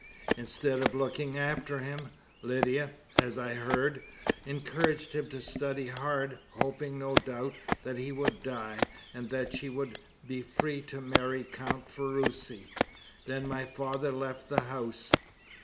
Instead of looking after him, Lydia as I heard encouraged him to study hard, hoping, no doubt, that he would die, and that she would be free to marry Count Ferruci. Then my father left the house."